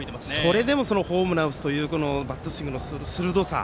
それでもホームランというバットスイングの鋭さ。